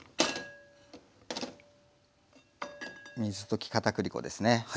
水溶き片栗粉ですね。